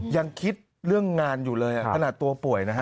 ยังคิดเรื่องงานอยู่เลยขนาดตัวป่วยนะฮะ